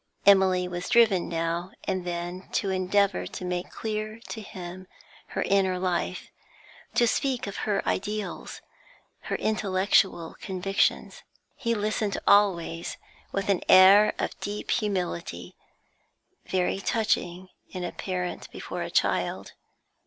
Emily was driven now and then to endeavour to make clear to him her inner life, to speak of her ideals, her intellectual convictions. He listened always with an air of deep humility, very touching in a parent before a child.